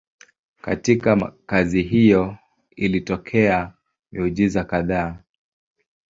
Katika kazi hiyo ilitokea miujiza kadhaa.